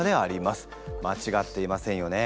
間違っていませんよね？